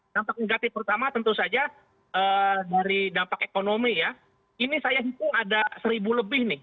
dampak negatif pertama tentu saja dari dampak ekonomi ya ini saya hitung ada seribu lebih nih